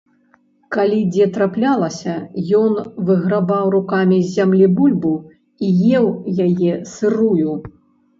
Калі дзе траплялася, ён выграбаў рукамі з зямлі бульбу і еў яе сырую.